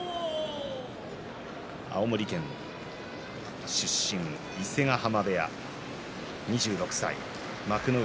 青森県出身、伊勢ヶ濱部屋２６歳幕内